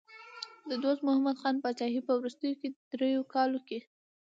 د دوست محمد خان پاچاهۍ په وروستیو دریو کالو کې.